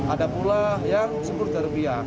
ada pula yang rp sepuluh juta